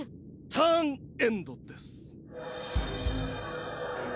ターンエンドです。